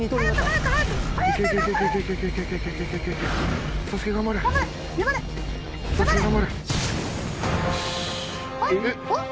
えっ？